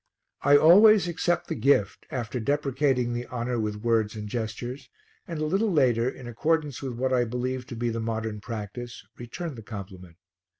I always accept the gift, after deprecating the honour with words and gestures, and a little later, in accordance with what I believe to be the modern practice, return the compliment.